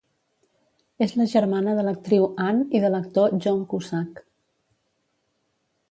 És la germana de l'actriu Ann i de l'actor John Cusack.